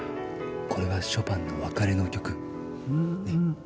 これはショパンの『別れの曲』ねえ？